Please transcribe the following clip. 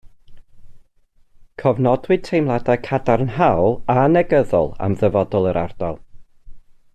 Cofnodwyd teimladau cadarnhaol a negyddol am ddyfodol yr ardal